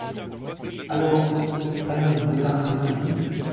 Alors, elle ne vous a rien dit ?